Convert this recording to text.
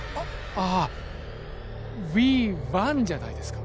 ああヴィヴァンじゃないですか？